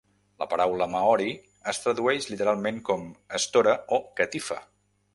La paraula maori es tradueix literalment com "estora" o "catifa".